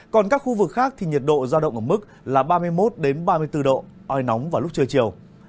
còn các khu vực khác thì nhiệt độ giao động ở mức là ba mươi một ba mươi bốn độ oi nóng vào lúc trưa chiều